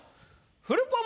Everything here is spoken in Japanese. フルポン